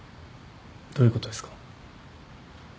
どういうことですか？